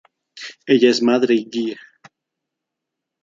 Ella es Madre y guía.